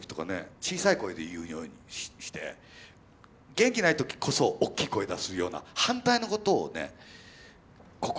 小さい声で言うようにして元気ない時こそおっきい声出すような反対のことをね心掛けてんですよ。